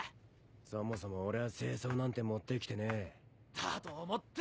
そもそも俺は正装なんて持って来てねえ。だと思って。